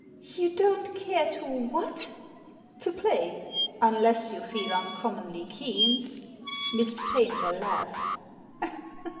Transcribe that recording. ''" You don't care to what ?"" To play — unless you feel uncommonly keen." Miss Paynter laughed.